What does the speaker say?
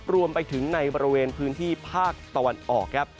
รวมไปถึงในบริเวณพื้นที่ภาคตะวันออกครับ